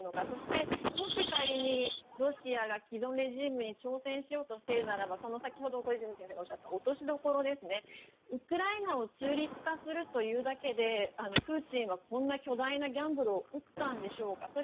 そして、もし仮にロシアが既存レジームに挑戦しようとしているならば先ほど小泉先生がおっしゃった落としどころですねウクライナを中立化するというだけでプーチンはこんな巨大なギャンブルを打ったんでしょうか。